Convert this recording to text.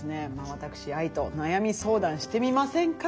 私ＡＩと悩み相談してみませんか？